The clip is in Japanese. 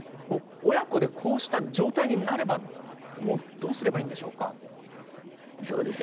親子でこうした状態になればどうすればいいんでしょうか？